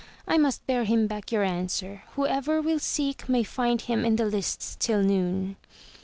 I must bear him back your answer, whoever will seek, may find him in the lists till noon.